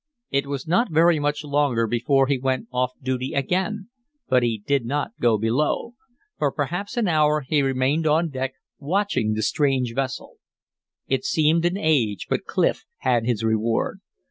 It was not very much longer before he went off duty again; but he did not go below. For perhaps an hour he remained on deck watching the strange vessel. It seemed an age, but Clif had his reward.